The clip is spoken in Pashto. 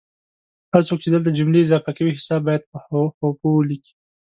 هر څوک چې دلته جملې اضافه کوي حساب باید په حوفو ولیکي